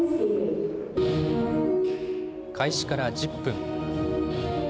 開始から１０分。